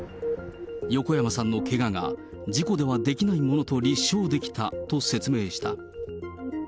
横山さんのけがが、事故では出来ないものと立証できたと説明した。